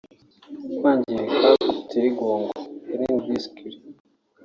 Kwangirika k’urutirigongo (hernie discale)